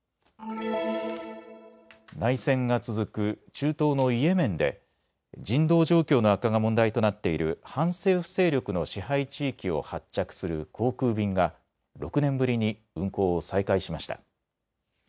内戦が続く中東のイエメンで人道状況の悪化が問題となっている反政府勢力の支配地域を発着する航空便が６年ぶりに運航を再開しました。